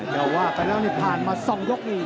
แต่ว่าไปแล้วนี่ผ่านมา๒ยกนี่